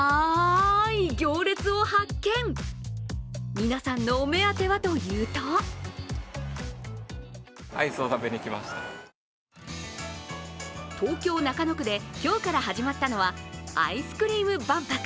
皆さんのお目当てはというと東京・中野区で、今日から始まったのはアイスクリーム万博。